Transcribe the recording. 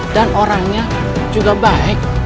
dan orangnya juga baik